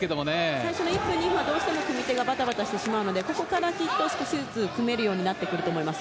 最初の１分、２分は組み手がバタバタするのでここからきっと少しずつ組めるようになってくると思います。